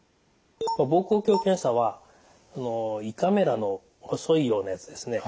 膀胱鏡検査は胃カメラの細いようなやつですね。